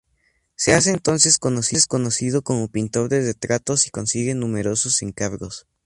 Se hace entonces conocido como pintor de retratos y consigue numerosos encargos.